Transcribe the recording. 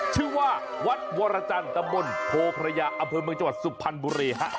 ชื่อว่าวัดวรรจันตมนต์โภพระยาอเผินเมืองจังหวัดสุภัณฑ์บุรีฮะ